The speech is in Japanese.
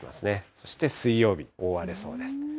そして水曜日、覆われそうです。